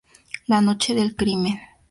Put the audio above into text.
La Noche del Crimen